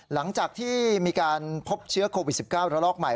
หลังจากที่มีการพบเชื้อโควิด๑๙ระลอกใหม่